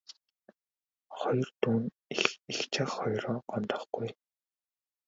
Хоёр дүү нь эгч ах хоёроо гомдоохгүй ээ.